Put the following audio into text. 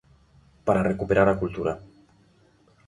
Para recuperar a cultura.